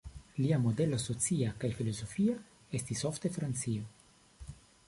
Lia modelo socia kaj filozofia estis ofte Francio.